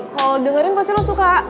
kalau dengerin pasti lo suka